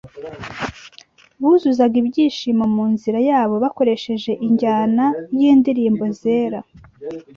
buzuzaga ibyishimo mu nzira yabo bakoresheje injyana y’indirimbo zera,